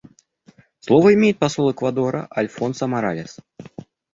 Слово имеет посол Эквадора Альфонсо Моралес.